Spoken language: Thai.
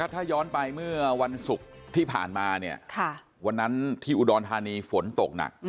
ถ้าย้อนไปเมื่อวันศุกร์ที่ผ่านมาเนี่ยวันนั้นที่อุดรธานีฝนตกหนัก